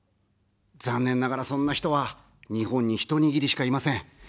残念ながら、そんな人は、日本にひと握りしかいません。